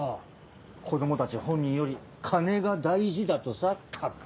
子供たち本人より金が大事だとさったく。